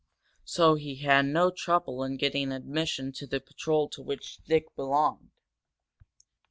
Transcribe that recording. So he had had no trouble in getting admission to the patrol to which Dick belonged.